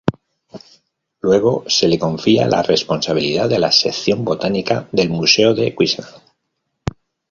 Luego se le confía la responsabilidad de la "Sección Botánica" del "Museo de Queensland".